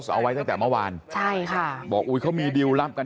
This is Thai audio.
เอาไว้ตั้งแต่เมื่อวานใช่ค่ะบอกอุ้ยเขามีดิวลลับกัน